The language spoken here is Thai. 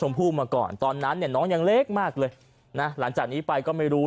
ผู้มาก่อนตอนนั้นเนี่ยน้องยังเล็กมากเลยนะหลังจากนี้ไปก็ไม่รู้